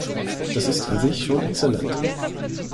Das ist an sich schon exzellent.